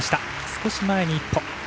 少し前に１歩。